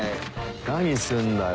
何すんだよ